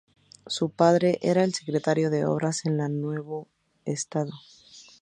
Su padre era el secretario de Obras en el nuevo estado.